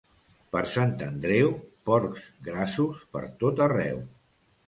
Per Sant Andreu, porcs grassos pertot arreu.